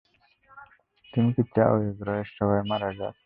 তুমি কি চাও এই গ্রহের সবাই মারা যাক?